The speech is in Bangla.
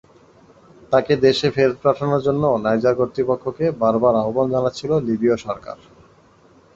তাঁকে দেশে ফেরত পাঠানোর জন্য নাইজার কর্তৃপক্ষকে বারবার আহ্বান জানাচ্ছিল লিবীয় সরকার।